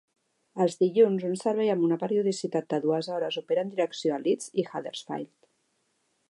Els dilluns un servei amb una periodicitat de dues hores opera en direcció a Leeds i Huddersfield.